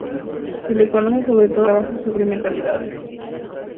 Se le conoce sobre todo por sus trabajos sobre mentalidades.